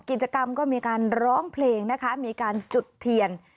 กิจกรรมก็มีการร้องเพลงนะคะมีการจุดเทียน